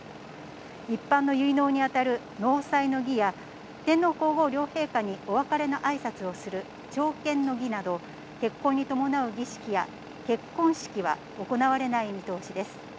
一般の結納に当たる納采の儀や、天皇皇后両陛下にお別れの挨拶をする朝見の儀など、結婚に伴う儀式や結婚式は行われない見通しです。